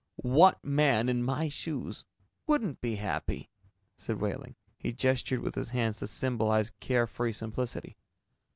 "What man in my shoes wouldn't be happy?" said Wehling. He gestured with his hands to symbolize care free simplicity.